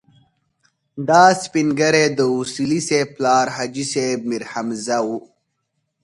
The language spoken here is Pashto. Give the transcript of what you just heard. دا سپين ږيری د اصولي صیب پلار حاجي صیب میرحمزه و.